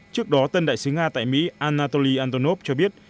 trước đó tân đại sứ nga tại mỹ anatoly antonov cho biết